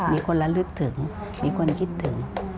มีคนละลึกถึงมีคนคิดถึง